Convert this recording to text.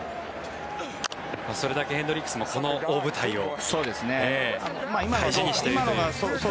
それだけヘンドリックスもこの大舞台を大事にしているという。